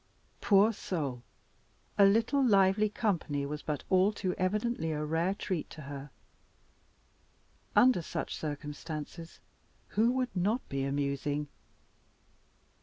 Poor soul! A little lively company was but too evidently a rare treat to her. Under such circumstances, who would not be amusing?